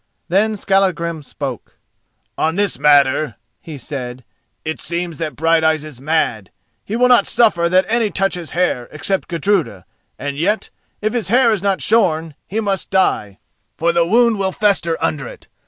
Then Skallagrim spoke. "On this matter," he said, "it seems that Brighteyes is mad. He will not suffer that any touch his hair, except Gudruda, and yet, if his hair is not shorn, he must die, for the wound will fester under it.